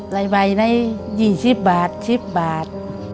ไล่ใบได้๒๐บาท๑๐บาท